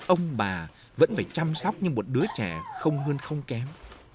ông bà vẫn phải chăm sóc như một đứa trẻ không hơn không kém